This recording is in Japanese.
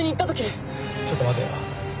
ちょっと待てよ。